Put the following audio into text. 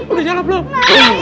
udah jawab dong